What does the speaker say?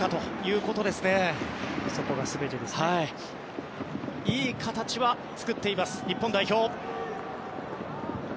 いい形は作っています日本代表。